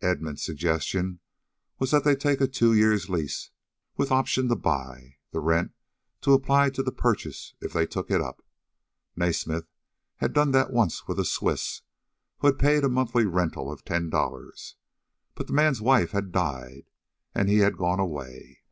Edmund's suggestion was that they take a two years' lease, with option to buy, the rent to apply to the purchase if they took it up. Naismith had done that once with a Swiss, who had paid a monthly rental of ten dollars. But the man's wife had died, and he had gone away.